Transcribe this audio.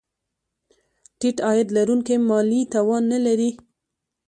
ټیټ عاید لرونکي مالي توان نه لري.